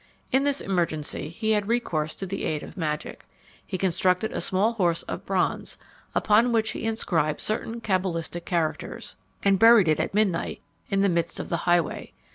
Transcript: In this emergency he had recourse to the aid of magic. He constructed a small horse of bronze, upon which he inscribed certain cabalistic characters, and buried it at midnight in the midst of the highway.